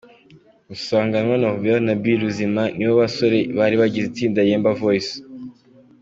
Rusanganwa Nobert na Bill Ruzima ni bo basore bari bagize itsinda Yemba Voice.